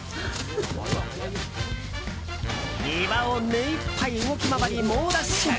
庭を目いっぱいに動き回り猛ダッシュ。